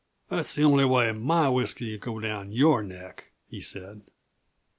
"That's the only way my whisky can go down your neck!" he said.